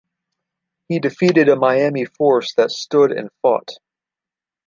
He defeated a Miami force that stood and fought.